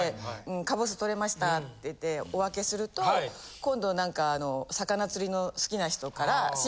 カボス採れましたって言ってお分けすると今度何か魚釣りの好きな人から。